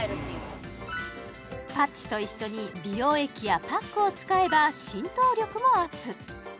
パッチと一緒に美容液やパックを使えば浸透力もアップ